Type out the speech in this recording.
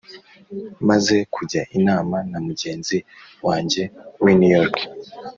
maze kujya inama na mugenzi wanjye w'i new york,